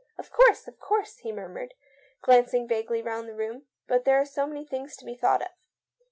" Of course, of course," he muttered, glanc ing vaguely round the room ;" but there are so many things to be thought of."